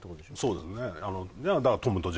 そうですねああ